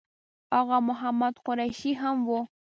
آغا محمد قریشي هم و.